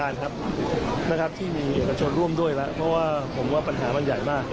และเอกชนร่วมด้วยเพราะว่าผมว่ามันปัญหาใหญ่มาก